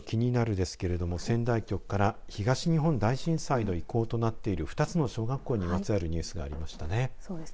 ですけど仙台局から東日本大震災の遺構となっている２つの小学校のニュースがありましたね。